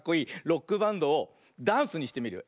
ロックバンドをダンスにしてみるよ。